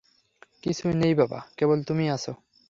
কিছু নেই বাবা, কেবল তুমি আছ।